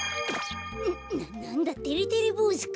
ななんだてれてれぼうずか。